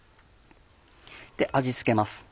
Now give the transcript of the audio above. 味付けます。